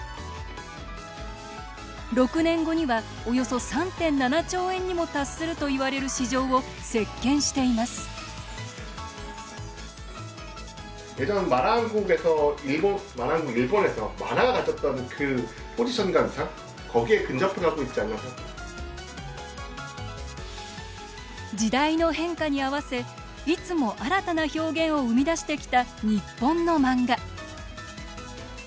６年後にはおよそ３．７兆円にも達するといわれる市場を席けんしています時代の変化に合わせいつも新たな表現を生み出してきた日本の漫画。